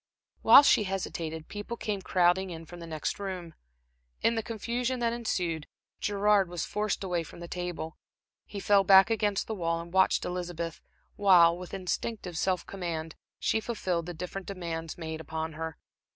While she hesitated, people came crowding in from the next room. In the confusion that ensued, Gerard was forced away from the table. He fell back against the wall, and watched Elizabeth while, with instinctive self command, she fulfilled the different demands made upon her.